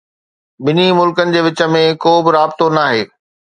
ٻنهي ملڪن جي وچ ۾ ڪوبه رابطو ناهي.